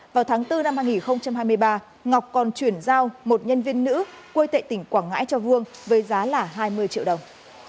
vào tháng bốn năm hai nghìn hai mươi ba ngọc còn chuyển giao một nhân viên nữ quê tệ tỉnh quảng ngãi cho vương với giá là hai mươi triệu đồng